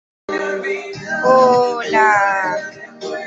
Pocos meses más tarde, Sgt.